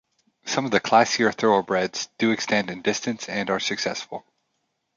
Some of the classier thoroughbreds do extend in distance and are successful.